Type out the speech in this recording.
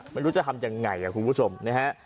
ไม่รู้จะทำยังไงล่ะคุณผู้ชมนะฮะ